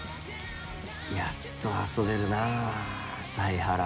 やっと遊べるなぁ犀原茜。